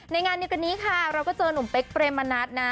ในงานอยู่กันนี้เราก็เจอนุ่มเป๊คเปรมมานัดนะ